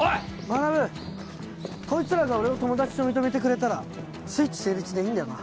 マナブこいつらが俺を友達と認めてくれたらスイッチ成立でいいんだよな？